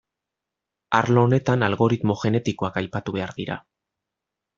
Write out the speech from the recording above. Arlo honetan algoritmo genetikoak aipatu behar dira.